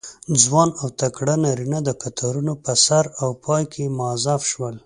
ځوان او تکړه نارینه د کتارونو په سر او پای کې موظف شول.